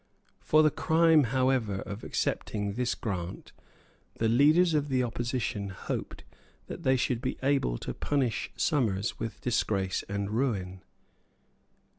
For the crime, however, of accepting this grant the leaders of the opposition hoped that they should be able to punish Somers with disgrace and ruin.